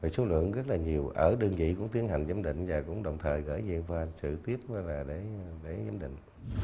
số lượng rất là nhiều ở đơn vị cũng tiến hành giám định và cũng đồng thời gửi viện và sự tiếp là để giám định